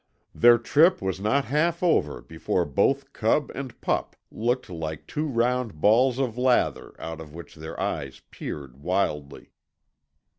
Their trip was not half over before both cub and pup looked like two round balls of lather out of which their eyes peered wildly.